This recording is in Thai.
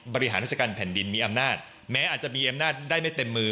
บริหารราชการแผ่นดินมีอำนาจแม้อาจจะมีอำนาจได้ไม่เต็มมือ